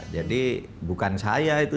jadi bukan saya itu